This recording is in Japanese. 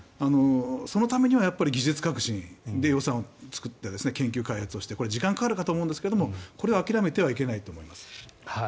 そのためには技術革新予算を作って研究開発をして時間がかかると思うんですがこれを諦めてはいけないと思います。